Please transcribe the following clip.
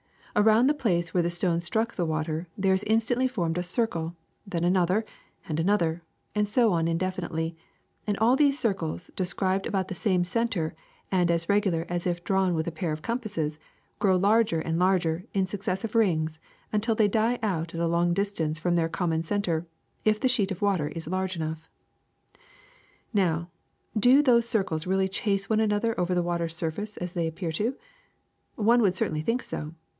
Around the place where the stone struck the water there is instantly formed a circle, then another and another, and so on indefinitely; and all these circles, described about the same center and as regular as if drawn with a pair of compasses, grow larger and larger, in successive rings, until they die out at a long distance from their common center, if the sheet of water is large enough. ^*Now, do those circles really chase one another over the water's surface as they appear to? One would certainly think so.